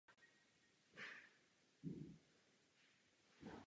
Město se tak stalo významným železničním uzlem.